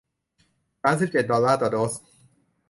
สามสิบเจ็ด ดอลลาร์ต่อโดส